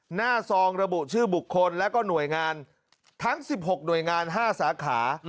ซองระบุชื่อบุคคลและก็หน่วยงานทั้ง๑๖หน่วยงาน๕สาขา